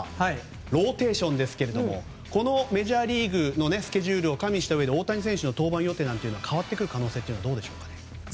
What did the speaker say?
ローテーションですけれどもこのメジャーリーグのスケジュールを加味したうえで大谷選手の登板予定は変わってくる可能性はどうでしょうか。